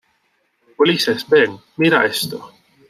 Ulises, ven. mira esto.